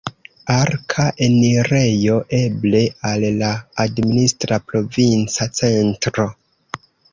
Arka enirejo, eble, al la administra provinca centro.